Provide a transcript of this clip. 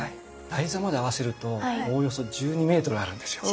台座まで合わせるとおおよそ１２ｍあるんですよ。